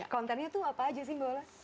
kontennya tuh apa aja sih mbak ulas